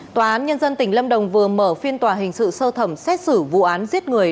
tòa án nhân dân tỉnh lâm đồng vừa mở phiên tòa hình sự sơ thẩm xét xử vụ án giết người